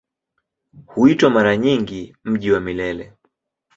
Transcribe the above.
Huitwa mara nyingi "Mji wa Milele".